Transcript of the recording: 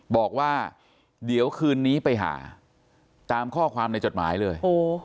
บอกว่าเดี๋ยวคืนนี้ไปหาตามข้อความในจดหมายเลย